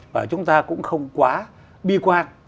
và chúng ta cũng không quá bi quan